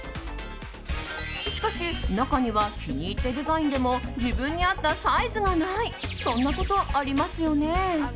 しかし、中には気に入ったデザインでも自分に合ったサイズがないそんなことありますよね。